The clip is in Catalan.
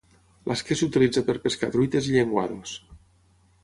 L'esquer s'utilitza per pescar truites i llenguados.